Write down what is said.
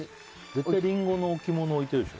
絶対、リンゴの置物置いてるでしょ。